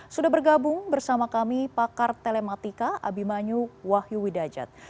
sudah bergabung bersama kami pakar telematika abimanyu wahyu widajat